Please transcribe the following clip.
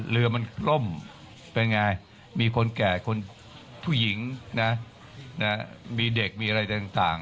เรือมันกล้มเป็นไงมีคนแก่คนผู้หญิงนะมีเด็กมีอะไรต่าง